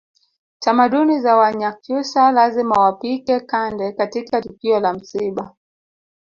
Tamaduni za Wanyakyusa lazima wapike kande katika tukio la msiba